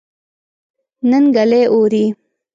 نن ګلۍ اوري